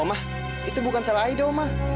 omah itu bukan salah aido omah